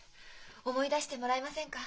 思い出してもらえませんか？